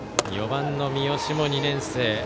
４番の三好も２年生。